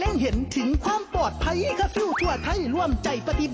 นอนกลางวันช่วยชาติ